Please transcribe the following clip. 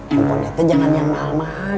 impor itu jangan yang mahal mahal